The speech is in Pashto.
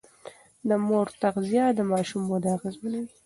د مور تغذيه د ماشوم وده اغېزمنوي.